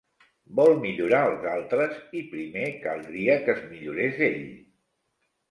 Vol millorar els altres i primer caldria que es millorés ell.